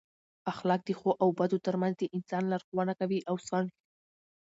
اخلاق د ښو او بدو ترمنځ د انسان لارښوونه کوي او سم ژوند تضمینوي.